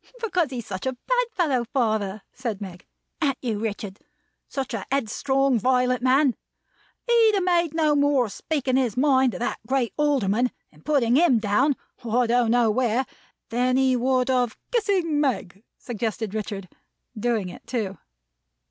"Because he's such a bad fellow, father," said Meg. "An't you, Richard? Such a headstrong, violent man! He'd have made no more of speaking his mind to that great Alderman, and putting him down I don't know where, than he would of "" Kissing Meg," suggested Richard. Doing it, too.